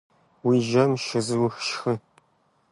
Уи жьэм щызу шхы.